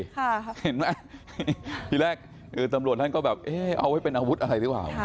เห็นไหมทีแรกเออตำรวจท่านก็แบบเอาไว้เป็นอาวุธอะไรดีว่า